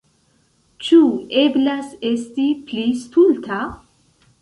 Ĉu eblas esti pli stulta?